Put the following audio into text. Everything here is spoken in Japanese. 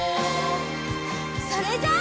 それじゃあ。